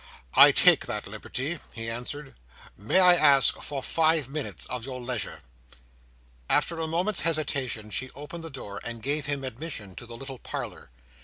"I take that liberty," he answered. "May I ask for five minutes of your leisure?" After a moment's hesitation, she opened the door, and gave him admission to the little parlour.